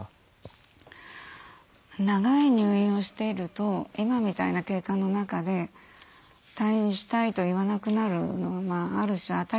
長い入院をしていると今みたいな経過の中で退院したいと言わなくなるのもある種当たり前のことかと。